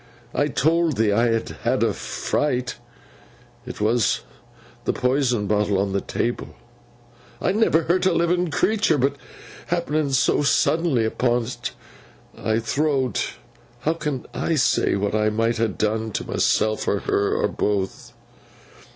I told thee I had had a fright. It were the Poison bottle on table. I never hurt a livin' creetur; but happenin' so suddenly upon 't, I thowt, "How can I say what I might ha' done to myseln, or her, or both!"